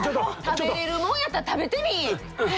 食べれるもんやったら食べてみい！